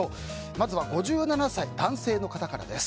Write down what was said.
まずは５７歳、男性の方から。